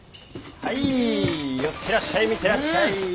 はい寄ってらっしゃい見てらっしゃい。